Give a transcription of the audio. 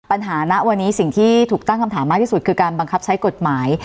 ณวันนี้สิ่งที่ถูกตั้งคำถามมากที่สุดคือการบังคับใช้กฎหมาย